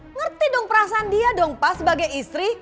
ngerti dong perasaan dia dong pas sebagai istri